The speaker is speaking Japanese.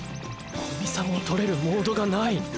古見さんを撮れるモードがない